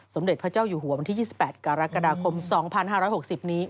สมเด็จพระเจ้าอยู่หัววันที่๒๘กรกฎาคม๒๕๖๐นี้